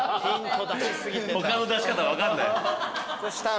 他の出し方分かんない。